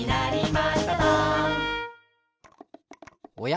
おや？